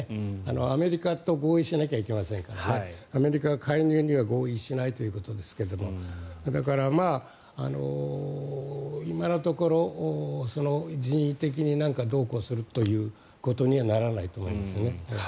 アメリカと合意しないといけませんからアメリカは介入には合意しないということですがだから、今のところ人為的にどうこうするということにはならないと思いますね。